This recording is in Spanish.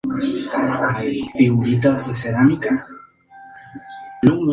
La masía está constituida por un conjunto de edificaciones para diversos usos.